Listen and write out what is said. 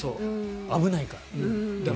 危ないから。